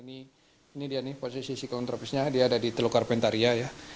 ini dia posisi siklon tropisnya dia ada di teluk carpentaria